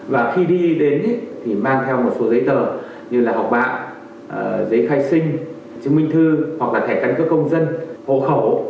và khi đi đến thì mang theo một số giấy tờ như là học bạc giấy khai sinh chứng minh thư hoặc là thẻ căn cước công dân hộ khẩu